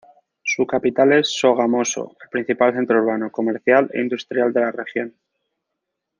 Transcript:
Su capital es Sogamoso, el principal centro urbano, comercial e industrial de la región.